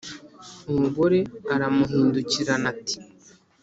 umugore aramuhindukirana ati